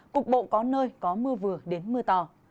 cục bộ có nơi có mưa vừa đến mưa to